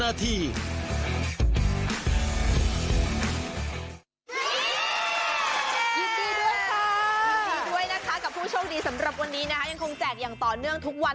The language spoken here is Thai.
ยินดีด้วยค่ะยินดีด้วยนะคะกับผู้โชคดีสำหรับวันนี้นะคะยังคงแจกอย่างต่อเนื่องทุกวัน